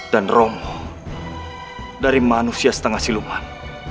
dan romoh dari manusia setengah siluman